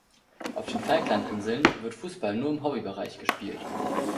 Auf den Falklandinseln wird Fußball nur im Hobbybereich gespielt.